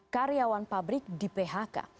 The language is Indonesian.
karyawan pabrik di phk